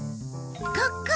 ここ！